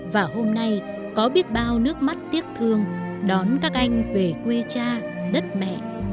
và hôm nay có biết bao nước mắt tiếc thương đón các anh về quê cha đất mẹ